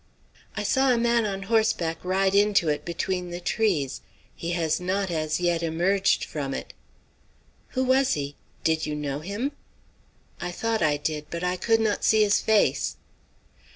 "I saw a man on horseback ride into it between the trees. He has not as yet emerged from it." "Who was he? Did you know him?" "I thought I did. But I could not see his face."